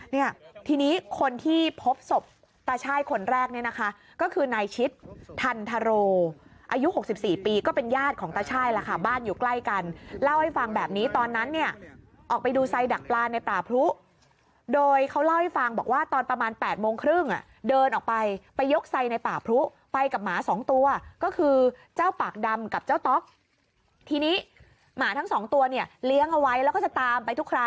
เนี่ยทีนี้คนที่พบศพตาช่ายคนแรกเนี่ยนะคะก็คือนายชิดทันธโรอายุ๖๔ปีก็เป็นญาติของตาช่ายล่ะค่ะบ้านอยู่ใกล้กันเล่าให้ฟังแบบนี้ตอนนั้นเนี่ยออกไปดูไซดักปลานในป่าพรุธโดยเขาเล่าให้ฟังบอกว่าตอนประมาณ๘โมงครึ่งอ่ะเดินออกไปไปยกไซด์ในป่าพรุธไปกับหมา๒ตัวก็คือเจ้าปากดำกับ